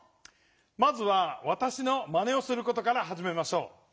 まずはわたしのまねをすることからはじめましょう。